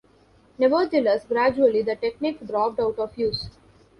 Nevertheless, gradually the technique dropped out of use.